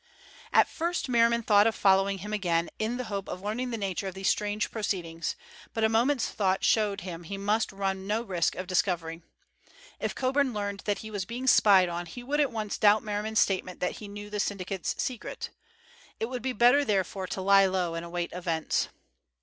At first Merriman thought of following him again in the hope of learning the nature of these strange proceedings, but a moment's thought showed him he must run no risk of discovery. If Coburn learned that he was being spied on he would at once doubt Merriman's statement that he knew the syndicate's secret. It would be better, therefore, to lie low and await events.